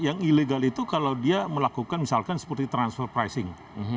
yang ilegal itu kalau dia melakukan misalkan seperti transfer pricing